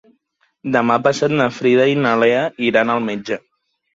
Demà passat na Frida i na Lea iran al metge.